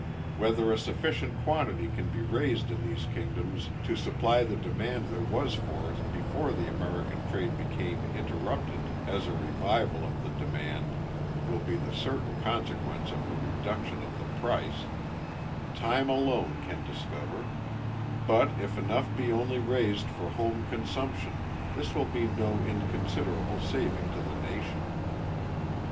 Whether a sufficient quantity can be raised in these kingdoms to supply the demand there was for it before the American trade became interrupted, (as a revival of the demand will be the certain consequence of a reduction of the price) time alone can discover: but if enough be only raised for home consumption, this will be no inconsiderable saving to the nation.